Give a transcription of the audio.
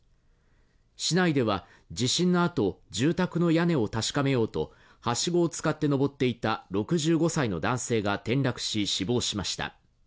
市内では地震のあと住宅の屋根を確かめようとはしごを使って上っていた６５歳の男性が転落し死亡しました。